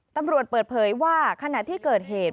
ตำรวจเปิดเผยว่าขณะที่เกิดเหตุ